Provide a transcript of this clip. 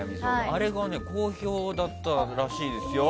あれが好評だったらしいですよ。